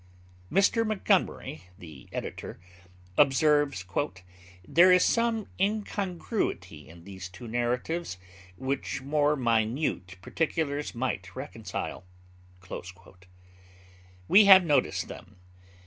Mr. Montgomery, the editor, observes, 'there is some incongruity in these two narratives, which more minute particulars might reconcile.' We have noticed them.